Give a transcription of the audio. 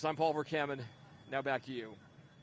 saya paul verkammen kembali lagi ke anda